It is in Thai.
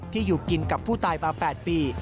อยู่กินกับผู้ตายมา๘ปี